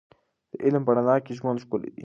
د علم په رڼا کې ژوند ښکلی دی.